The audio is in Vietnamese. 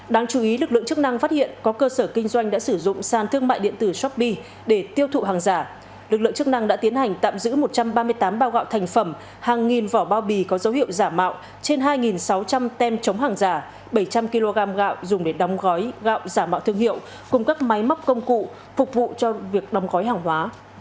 đáng chú ý lực lượng chức năng phát hiện có cơ sở kinh doanh đã sử dụng sàn thương mại điện tử shopee để tiêu thụ hàng giả lực lượng chức năng đã tiến hành tạm giữ một trăm ba mươi tám bao gạo thành phẩm hàng nghìn vỏ bao bì có dấu hiệu giả mạo trên hai sáu trăm linh tem chống hàng giả bảy trăm linh kg gạo dùng để đóng gói gạo giả mạo thương hiệu cùng các máy móc công cụ phục vụ cho việc đóng gói hàng hóa